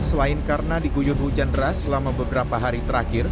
selain karena diguyur hujan deras selama beberapa hari terakhir